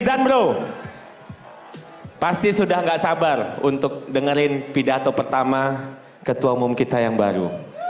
dan bro pasti sudah gak sabar untuk dengerin pidato pertama ketua umum kita yang baru